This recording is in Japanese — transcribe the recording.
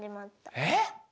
えっ！？